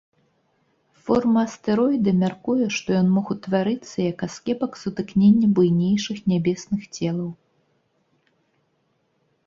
Форма астэроіда мяркуе, што ён мог утварыцца як аскепак сутыкнення буйнейшых нябесных целаў.